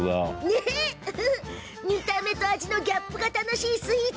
見た目と味のギャップが楽しいスイーツ。